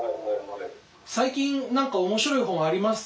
最近何か面白い本あります？